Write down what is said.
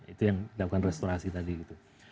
itu yang dilakukan restorasi tadi gitu